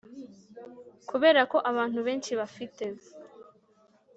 Kubera ko abantu benshi bafite